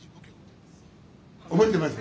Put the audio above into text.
覚えてます。